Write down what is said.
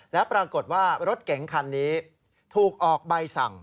และปรากฏว่ารถเก๋งคันนี้ถูกออกใบสั่ง